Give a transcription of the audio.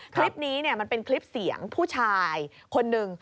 คลิปนี้มันเป็นคลิปเสียงผู้ชายคนหนึ่ง